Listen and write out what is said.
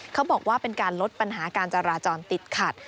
เขาบอกว่าเป็นการลดปัญหาการจราจรติดขัด